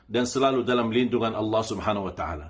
dan selalu dalam lindungan allah subhanahu wa ta'ala